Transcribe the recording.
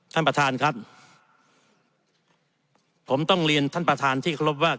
ท่านประธานครับผมต้องเรียนท่านประธานที่เคารพว่า